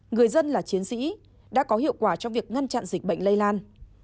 người dân là chiến sĩ đã có hiệu quả trong việc ngăn chặn dịch bệnh lây lan